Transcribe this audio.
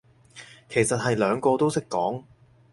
其實係兩個都識講